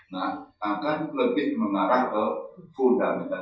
nah akan lebih mengarah ke fundamental